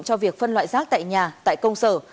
cho việc phân loại rác tại nhà tại công sở